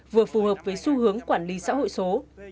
vừa phù hợp với xu hướng quản lý xã hội số